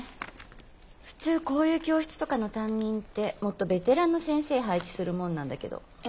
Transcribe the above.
普通こういう教室とかの担任ってもっとベテランの先生配置するもんなんだけど。え？